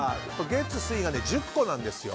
月、水が１０個なんですよ。